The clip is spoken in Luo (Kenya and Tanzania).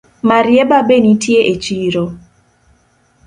Marieba be nitie echiro?